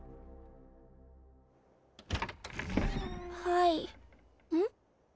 はいうん？